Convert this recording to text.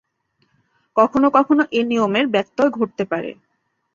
কখনো কখনো এ নিয়মের ব্যতয় ঘটতে পারে।